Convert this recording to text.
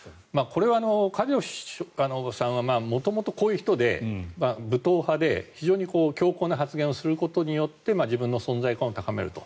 これはカディロフさんは元々こういう人で武闘派で非常に強硬な発言をすることによって自分の存在感を高めると。